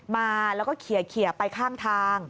มาแล้วก็เขียไปข้างทาง